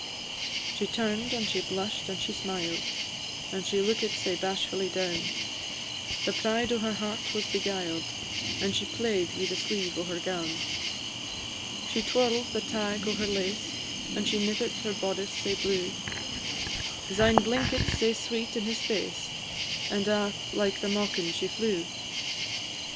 She turn'd, and she blush'd, and she smiled, And she lookit sae bashfully down; The pride o' her heart was beguiled, And she play'd wi' the sleeve o' her gown; She twirl'd the tag o' her lace, And she nippit her boddice sae blue; Syne blinkit sae sweet in his face, And aff like a maukin she flew.